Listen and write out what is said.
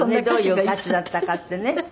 どういう歌手だったかってね。